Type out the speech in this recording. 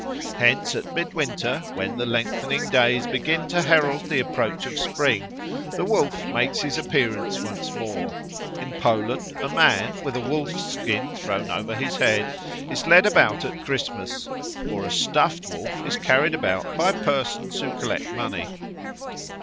Hence at midwinter, when the lengthening days begin to herald the approach of spring, the Wolf makes his appearance once more. In Poland a man, with a wolf's skin thrown over his head, is led about at Christmas; or a stuffed wolf is carried about by persons who collect money.